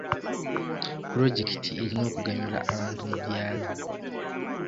Pulojekiti erina okuganyula abantu mu byalo.